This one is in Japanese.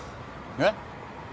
えっ？